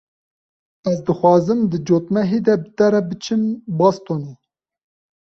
Ez dixwazim di cotmehê de bi te re biçim Bostonê.